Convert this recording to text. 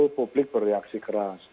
lalu publik berreaksi keras